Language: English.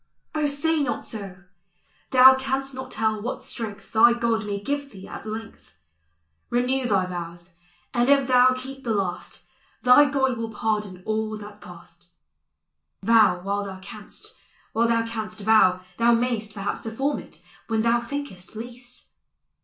O, say not so; thou canst not tell what strength Thy God may give thee at the length. Renew thy vows, and if thou keep the last. HIM 1 V EXPERIENCE. 283. Thy God will pardon all that's past. Vow while thou canst ; while thou canst vow, thou may's! Perhaps perforin it when thou thinkest least.